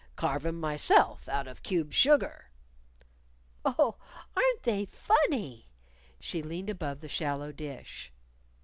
Carve 'em myself, out of cube sugar." "Oh, aren't they funny!" She leaned above the shallow dish.